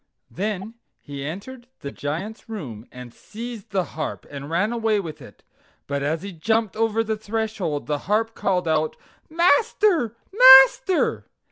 Then he entered the Giant's room and seized the harp and ran away with it; but as he jumped over the threshold the harp called out: "MASTER! MASTER!"